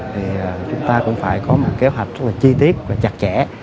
thì chúng ta cũng phải có một kế hoạch rất là chi tiết và chặt chẽ